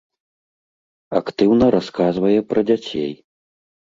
Актыўна расказвае пра дзяцей.